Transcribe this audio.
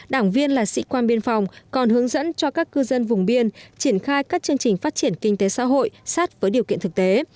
đảng viên là sĩ quan biên phòng còn hướng dẫn cho các cư dân vùng biên triển khai các chương trình phát triển kinh tế xã hội sát với điều kiện thực tế